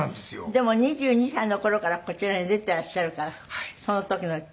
でも２２歳の頃からこちらに出ていらっしゃるからその時の。